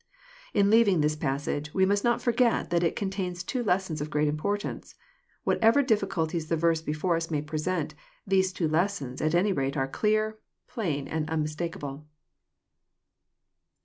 In leaving this passage, we must not forget that it con tains two lessons of great importance. Whatever difficul ties the verses before us may present, these two lessons at any rate are clear, plain, and unmistakable.